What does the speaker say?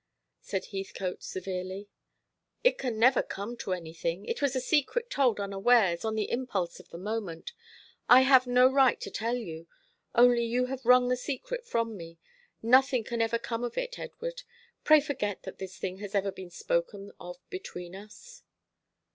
said Heathcote severely. "It can never come to anything. It was a secret told unawares, on the impulse of the moment. I have no right to tell you, only you have wrung the secret from me. Nothing can ever come of it, Edward. Pray forget that this thing has ever been spoken of between us."